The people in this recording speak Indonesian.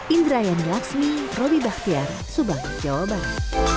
indrayan laksmi robi bahtiar subang jawa barat